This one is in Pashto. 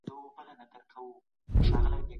قرآن کریم د مال د حق په اړه روښانه دی.